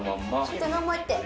頑張って。